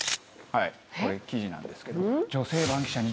これ記事なんですけど。